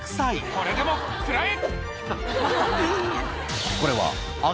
これでも食らえ！